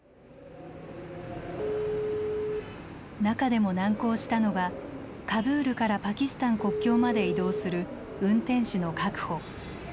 中でも難航したのがカブールからパキスタン国境まで移動する運転手の確保。